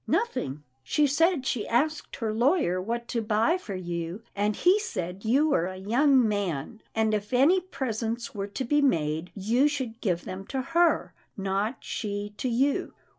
" Nothing — she said she asked her lawyer what to buy for you, and he said you were a young man, and if any presents were to be made, you should give them to her, not she to you."